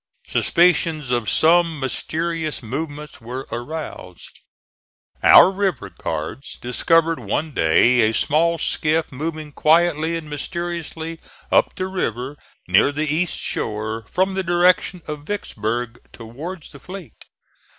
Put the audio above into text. Suspicions of some mysterious movements were aroused. Our river guards discovered one day a small skiff moving quietly and mysteriously up the river near the east shore, from the direction of Vicksburg, towards the fleet.